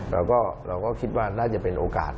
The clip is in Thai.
เราก็คิดว่าน่าจะเป็นโอกาส